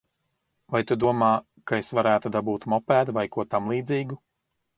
Vai tu domā, ka es varētu dabūt mopēdu vai ko tamlīdzīgu?